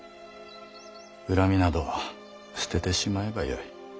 恨みなど捨ててしまえばよい。